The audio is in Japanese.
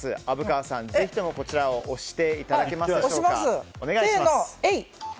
虻川さん、ぜひともこちらを押していただけますでしょうか？